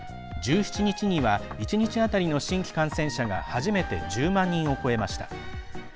１７日には１日当たりの新規感染者が初めて１０万人を超えました。